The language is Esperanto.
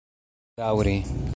daŭri